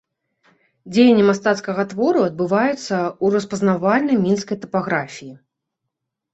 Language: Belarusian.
Дзеянне мастацкага твору адбываецца ў распазнавальнай мінскай тапаграфіі.